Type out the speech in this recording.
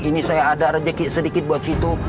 ini saya ada rezeki sedikit buat situ